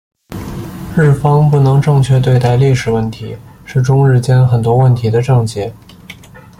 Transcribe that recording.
日方不能正确对待历史问题是中日间很多问题的症结。